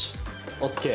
ＯＫ。